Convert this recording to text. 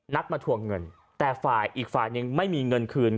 มาทวงเงินแต่ฝ่ายอีกฝ่ายหนึ่งไม่มีเงินคืน